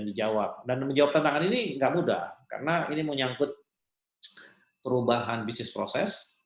dan menjawab tantangan ini enggak mudah karena ini menyangkut perubahan bisnis proses